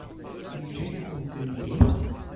Yeǧǧa-yakent-ten-id?